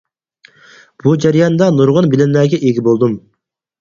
بۇ جەرياندا نۇرغۇن بىلىملەرگە ئىگە بولدۇم.